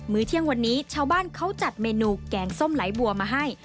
เที่ยงวันนี้ชาวบ้านเขาจัดเมนูแกงส้มไหลบัวมาให้